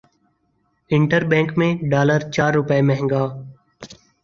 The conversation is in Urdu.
انٹر بینک میں ڈالر چار روپے مہنگا